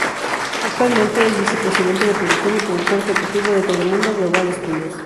Actualmente es vice-presidente de producción y productor ejecutivo de Telemundo Global Studios.